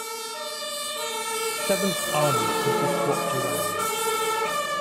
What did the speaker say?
Seventh Army could be swapped around.